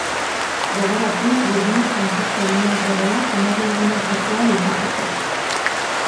Gogoratu burdina funtsezko elementua dela hemoglobina sortu ahal izateko.